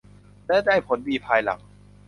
และได้ผลดีภายหลัง